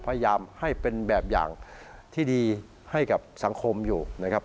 พยายามให้เป็นแบบอย่างที่ดีให้กับสังคมอยู่นะครับ